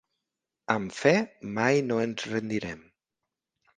Amb fe, mai no ens rendirem.